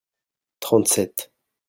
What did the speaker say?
trente sept.